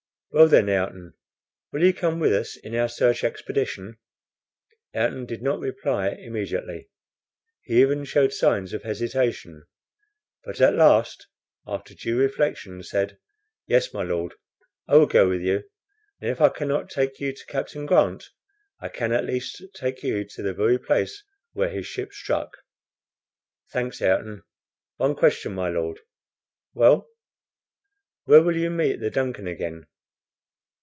"Well, then, Ayrton, will you come with us in our search expedition?" Ayrton did not reply immediately. He even showed signs of hesitation; but at last, after due reflection, said, "Yes, my Lord, I will go with you, and if I can not take you to Captain Grant, I can at least take you to the very place where his ship struck." "Thanks, Ayrton." "One question, my Lord." "Well?" "Where will you meet the DUNCAN again?"